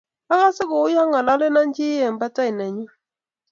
agase kouyo kongoololeno chii eng patai nenyu